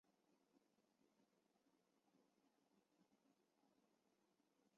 根据此后在北太平洋也航海的船舰被目击的记录。